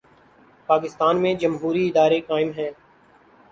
پاکستان میں جمہوری ادارے قائم ہیں۔